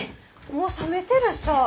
もう冷めてるさぁ。